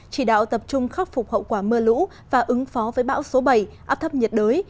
chỉ đạo tập trung khắc phục hậu quả mưa lũ và ứng phó với bão số bảy áp thấp nhiệt đới